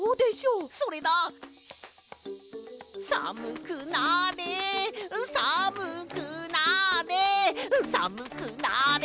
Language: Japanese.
さむくなれさむくなれさむくなれさむくなれ！